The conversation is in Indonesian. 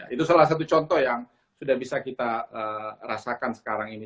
itu salah satu contoh yang sudah bisa kita rasakan sekarang ini